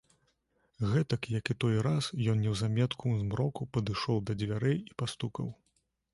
Гэтак, як і той раз, ён неўзаметку ў змроку падышоў да дзвярэй і пастукаў.